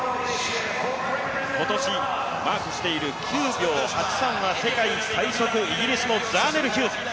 今年マークしている９秒８３は世界最速、イギリスのザーネル・ヒューズ。